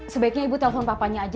sebaiknya ibu telpon papanya aja